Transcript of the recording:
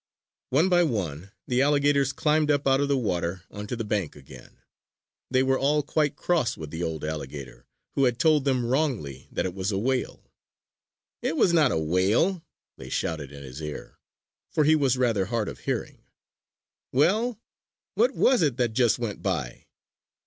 One by one, the alligators climbed up out of the water onto the bank again. They were all quite cross with the old alligator who had told them wrongly that it was a whale. "It was not a whale!" they shouted in his ear for he was rather hard of hearing. "Well, what was it that just went by?"